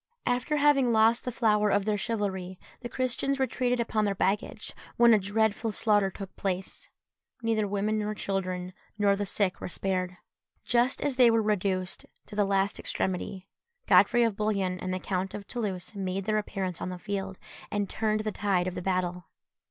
After having lost the flower of their chivalry, the Christians retreated upon their baggage, when a dreadful slaughter took place. Neither women nor children, nor the sick, were spared. Just as they were reduced to the last extremity, Godfrey of Bouillon and the Count of Toulouse made their appearance on the field, and turned the tide of battle.